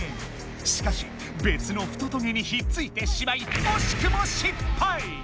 しかしべつのふとトゲにひっついてしまいおしくも失敗。